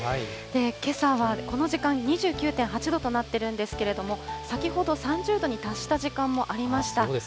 けさはこの時間、２９．８度となってるんですけれども、先ほど、３０度に達した時間もありました。